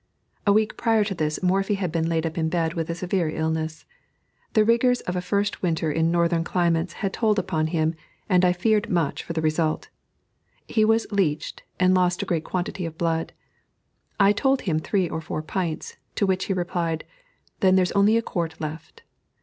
A week prior to this Morphy had been laid up in bed with a severe illness. The rigors of a first winter in northern climates had told upon him, and I feared much for the result. He was leeched, and lost a great quantity of blood I told him three or four pints; to which he replied, "Then there's only a quart left."